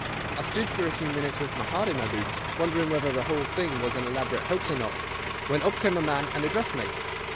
I stood for a few minutes with my heart in my boots, wondering whether the whole thing was an elaborate hoax or not, when up came a man and addressed me.